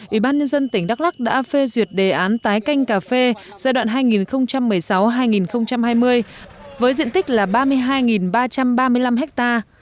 ủy ban nhân dân tỉnh đắk lắc đã phê duyệt đề án tái canh cà phê giai đoạn hai nghìn một mươi sáu hai nghìn hai mươi với diện tích là ba mươi hai ba trăm ba mươi năm ha